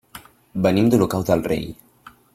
Venim d'Olocau del Rei.